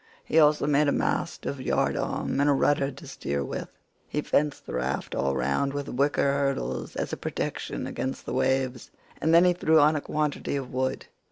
He also made a mast with a yard arm, and a rudder to steer with. He fenced the raft all round with wicker hurdles as a protection against the waves, and then he threw on a quantity of wood.